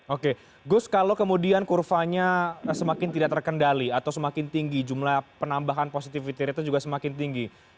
oke gus kalau kemudian kurvanya semakin tidak terkendali atau semakin tinggi jumlah penambahan positivity rate juga semakin tinggi